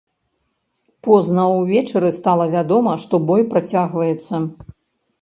Позна ўвечары стала вядома, што бой працягваецца.